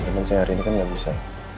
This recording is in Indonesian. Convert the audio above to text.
teman saya hari ini kan gak bisa